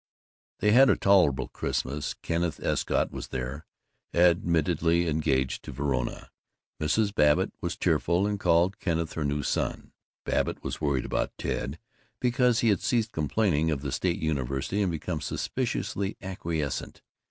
They had a tolerable Christmas. Kenneth Escott was there, admittedly engaged to Verona. Mrs. Babbitt was tearful and called Kenneth her new son. Babbitt was worried about Ted, because he had ceased complaining of the State University and become suspiciously acquiescent.